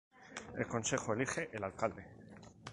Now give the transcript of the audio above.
El consejo elige el alcalde.